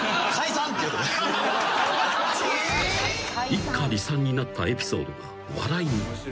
［一家離散になったエピソードが笑いに］